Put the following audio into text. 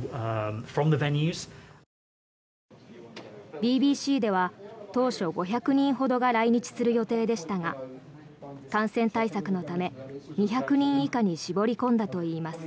ＢＢＣでは当初５００人ほどが来日する予定でしたが感染対策のため、２００人以下に絞り込んだといいます。